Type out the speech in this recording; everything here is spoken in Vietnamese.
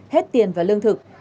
hết tiền và lương thực